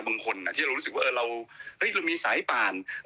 บางคนอ่ะที่เรารู้สึกว่าเออเราเฮ้ยเรามีสายป่านเฮ้ย